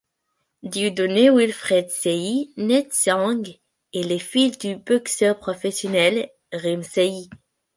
Dieudonné Wilfried Seyi Ntsengue est le fils du boxeur professionnel Rim Seyi.